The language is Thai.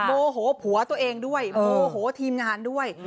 โมโหผัวตัวเองด้วยโมโหทีมงานด้วย